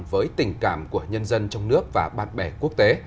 với tình cảm của nhân dân trong nước và bạn bè quốc tế